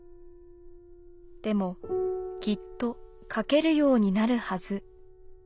でもきっと書けるようになるはず。